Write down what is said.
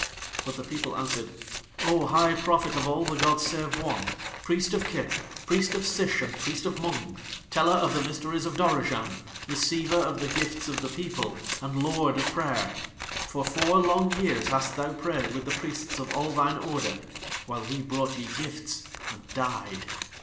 But the people answered: "O High Prophet of All the gods save One, Priest of Kib, Priest of Sish, and Priest of Mung, Teller of the mysteries of Dorozhand, Receiver of the gifts of the People, and Lord of Prayer, for four long years hast thou prayed with the priests of all thine order, while we brought ye gifts and died.